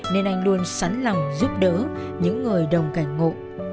nên anh luôn sẵn lòng giúp đỡ những người đồng cảnh ngộ